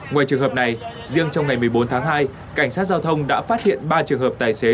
ngoài trường hợp này riêng trong ngày một mươi bốn tháng hai cảnh sát giao thông đã phát hiện ba trường hợp tài xế